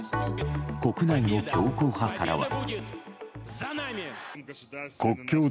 国内の強硬派からは。